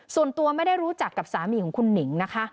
ส่วนตัวไม่ได้รู้จักกับสามีของคุณหนิงนะคะ